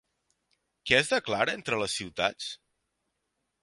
Què es declara entre les ciutats?